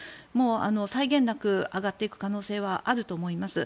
際限なく上がっていく可能性はあると思います。